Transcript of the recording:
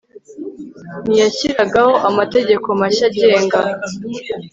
ntiyashyiragaho amategeko mashya agenga